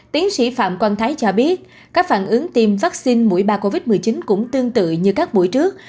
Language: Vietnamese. tiến sĩ phạm quang thái cho biết các phản ứng tiêm vaccine mũi ba covid một mươi chín cũng tương tự như các buổi trước